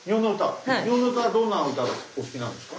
日本の歌どんな歌がお好きなんですか？